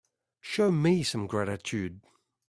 Show me some gratitude.